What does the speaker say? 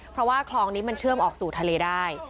เพราะว่าคลองนี้มันเชื่อมออกสู่ทะเลได้